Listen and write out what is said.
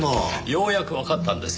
ようやくわかったんですよ。